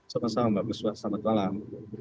sama sama mbak buswa selamat malam